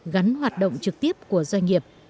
gắn hoạt động trực tiếp của doanh nghiệp